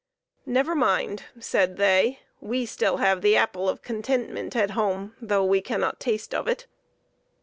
" Never mind," said they ;" we still have the apple of contentment at home, though we cannot taste of it."